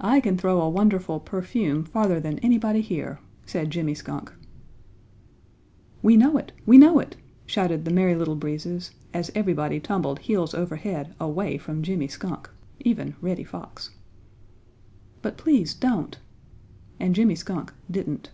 "I can throw a wonderful perfume farther than anybody here," said Jimmy Skunk. "We know it! We know it!" shouted the Merry Little Breezes as everybody tumbled heels over head away from Jimmy Skunk, even Reddy Fox. "But please don't!" And Jimmy Skunk didn't.